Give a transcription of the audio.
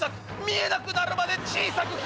［見えなくなるまで小さく切った］